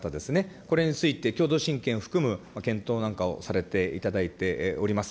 これについて、共同親権を含む検討なんかをされていただいております。